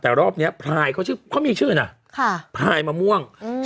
แต่รอบนี้พลายเขาชื่อเขามีชื่อนะพลายมะม่วง